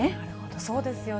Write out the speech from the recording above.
そうですよね。